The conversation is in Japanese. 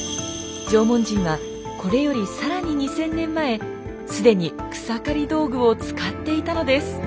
縄文人はこれより更に２，０００年前すでに草刈り道具を使っていたのです。